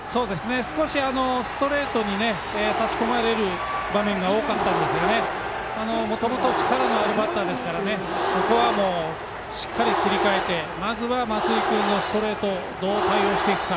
少しストレートに差し込まれる場面が多かったんですがもともと力のあるバッターですからここは、しっかり切り替えてまずは松井君のストレートをどう対応していくか。